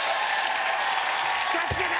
助けて！